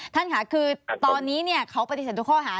ท่านค่ะคือตอนนี้เขาปฏิเสธทุกข้อหา